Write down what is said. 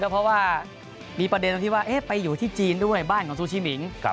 เพราะว่ามีประเด็นตรงที่ว่าไปอยู่ที่จีนด้วยบ้านของซูชิมิง